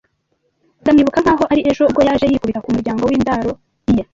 Ndamwibuka nkaho ari ejo, ubwo yaje yikubita ku muryango w'indaro, iye